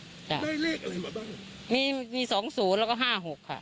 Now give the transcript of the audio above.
ได้เลขอะไรมาบ้างมีมีสองศูนย์แล้วก็ห้าหกค่ะ